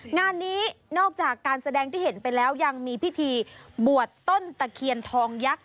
งานนี้นอกจากการแสดงที่เห็นไปแล้วยังมีพิธีบวชต้นตะเคียนทองยักษ์